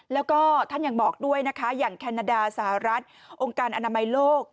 แล้วก็ท่านยังบอกด้วยนะคะอย่างแคนาดาสหรัฐองค์การอนามัยโลก